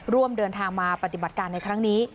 ร่วมเดินทางมาปฏิบัติการในครั้งนี้